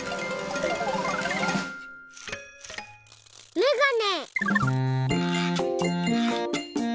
めがね。